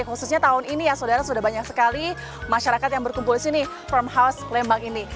khususnya tahun ini ya saudara sudah banyak sekali masyarakat yang berkumpul di sini from house lembang ini